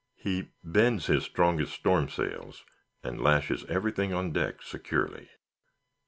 He "bends" his strongest storm sails, and lashes everything on deck securely.